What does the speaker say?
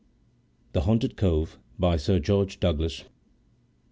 The Haunted Cove By SIR GEORGE DOUGLAS, Bart.